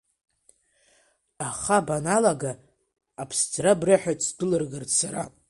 Аха баналага аԥсӡара, брыҳәеит сдәылыргарц сара.